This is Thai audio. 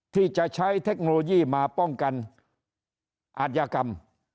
ที่จะใช้เทคโนโลยีมาป้องกันอาทยากรรม